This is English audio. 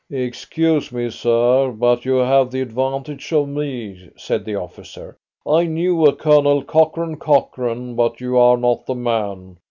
"Excuse me, sir, but you have the advantage of me," said the officer. "I knew a Colonel Cochrane Cochrane, but you are not the man.